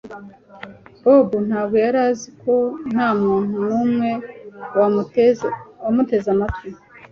Bobo ntabwo yari azi ko ntamuntu numwe wamuteze amatwi